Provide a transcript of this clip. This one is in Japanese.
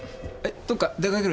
どっか出かけるの？